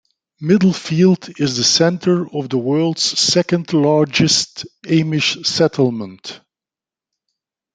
Middlefield is the center of the world's second largest Amish settlement.